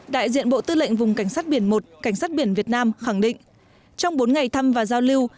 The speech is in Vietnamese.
đại diện bộ tư lệnh vùng cảnh sát biển một cảnh sát biển việt nam khẳng định trong bốn ngày thăm và giao lưu